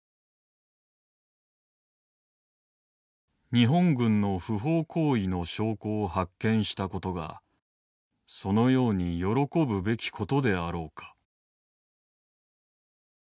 「日本軍の不法行為の証拠を発見したことがそのように喜ぶべきことであろうか」。